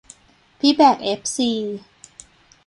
พี่แบ่คเอฟซี